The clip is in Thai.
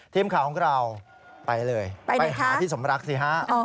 ทีมข่าวของเราไปเลยไปหาพี่สมรักสิฮะ